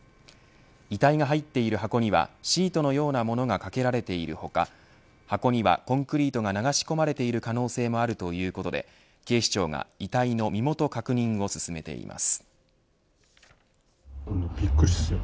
遺体が入っている箱にはシートのようなものがかけられている他箱にはコンクリートが流し込まれている可能性もあるということで警視庁が遺体の身元確認を進めています。